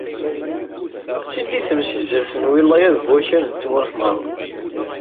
Ad d-tili temsizzelt n lwilaya deg wakal n tmurt merra.